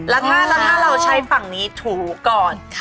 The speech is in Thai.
แล้วถ้าเราใช้ฝั่งนี้ถูกัน